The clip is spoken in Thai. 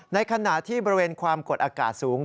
ในขณะที่บริเวณความกดอากาศสูง